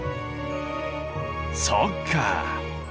そっか！